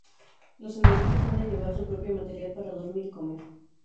Los senderistas han de llevar su propio material para dormir y comer.